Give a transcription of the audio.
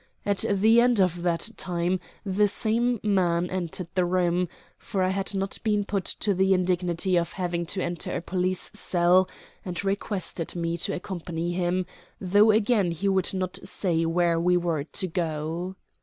At the end of that time the same man entered the room for I had not been put to the indignity of having to enter a police cell and requested me to accompany him, though again he would not say where we were to go.